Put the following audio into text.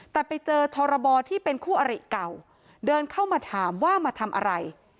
แต่ไปเจอชรบที่เป็นคู่อริเก่าเดินเข้ามาถามว่ามาทำอะไร